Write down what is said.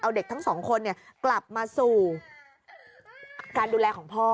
เอาเด็กทั้งสองคนกลับมาสู่การดูแลของพ่อ